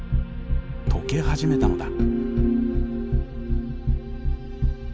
溶け始めたのだ。